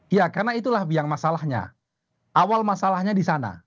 ya karena itulah yang masalahnya awal masalahnya di sana